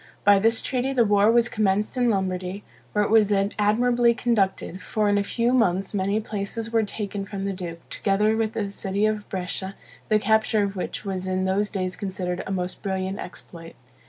By this treaty the war was commenced in Lombardy, where it was admirably conducted; for in a few months many places were taken from the duke, together with the city of Brescia, the capture of which was in those days considered a most brilliant exploit.